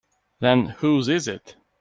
Then whose is it?